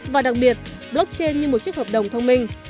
và đặc biệt blockchain như một chiếc hợp đồng thông minh